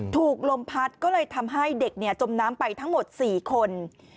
ถูกลมพัดก็เลยทำให้เด็กจมน้ำไปทั้งหมด๔คน